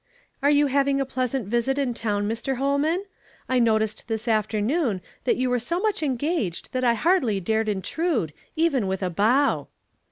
" Are you having a pleasant visit in town, Mr. Holman? I noticed this afternoon that you were so much engaged that I hardly dared intrude, even with a bow."